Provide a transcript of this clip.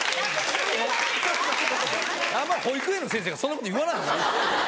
あんま保育園の先生がそんなこと言わないで。